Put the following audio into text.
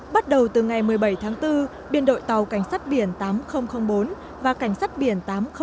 bắt đầu từ ngày một mươi bảy tháng bốn biên đội tàu cảnh sát biển tám nghìn bốn và cảnh sát biển tám nghìn hai